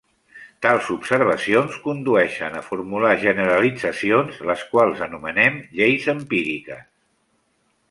Tals observacions condueixen a formular generalitzacions, les quals anomenem lleis empíriques.